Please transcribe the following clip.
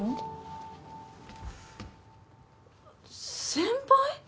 先輩！？